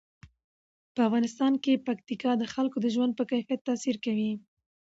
په افغانستان کې پکتیکا د خلکو د ژوند په کیفیت تاثیر کوي.